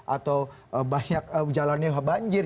atau banyak jalannya banjir